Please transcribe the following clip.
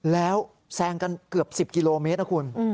แล้วแซงกันเกือบ๑๐กิโลเมตรนะคุณ